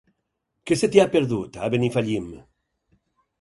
Què se t'hi ha perdut, a Benifallim?